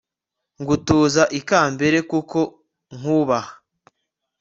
ngutuza ikambere kuko nkubaha